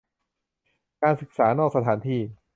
การศึกษานอกสถานที่